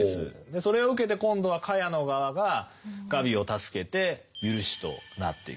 それを受けて今度はカヤの側がガビを助けて赦しとなっていく。